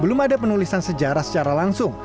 belum ada penulisan sejarah secara langsung